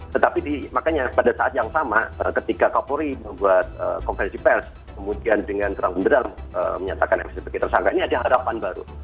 tetapi makanya pada saat yang sama ketika kapolri membuat konversi pers kemudian dengan terang benerang menyatakan fc sebagai tersangka ini ada harapan baru